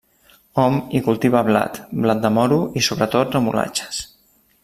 Hom hi cultiva blat, blat de moro i sobretot remolatxes.